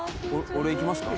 俺いきますか？